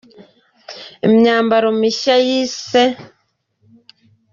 imyambaro mishya yise.